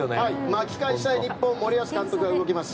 巻き返したい日本森保監督が動きます。